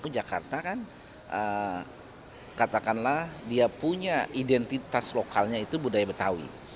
jakarta kan katakanlah dia punya identitas lokalnya itu budaya betawi